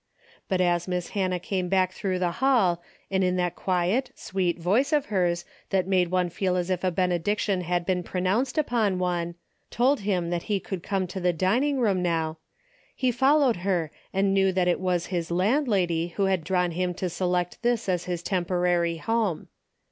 But as Miss Hannah came back through the hall and in that quiet sweet voice of hers that made one feel as if a bene diction had been pronounced upon one, told him that he could come to the dining room now, he followed her and knew that it was his landlady who had drawn him to select this as his temporary home.